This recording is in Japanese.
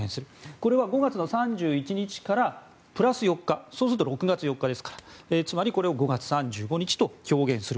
これは５月３１日からプラス４日そうすると６月４日ですからこれを５月３５日と表現する。